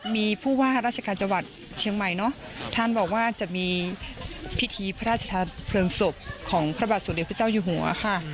มีผู้ว่าราชการจังหวัดเชียงใหม่เนอะท่านบอกว่าจะมีพิธีพระราชทานเพลิงศพของพระบาทสมเด็จพระเจ้าอยู่หัวค่ะ